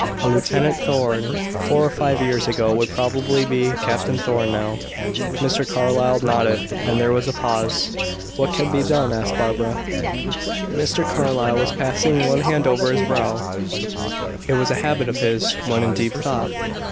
A Lieutenant Thorn four or five years ago would probably be Captain Thorn now." Mr. Carlyle nodded, and there was a pause. "What can be done?" asked Barbara. Mr. Carlyle was passing one hand over his brow; it was a habit of his when in deep thought.